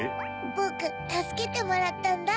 ボクたすけてもらったんだ。